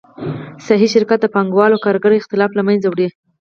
سهامي شرکت د پانګوال او کارګر اختلاف له منځه وړي